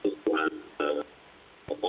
seberatnya saya mengatakan bahwa